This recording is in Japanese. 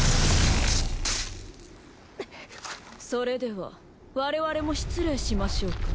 それでは我々も失礼しましょうか。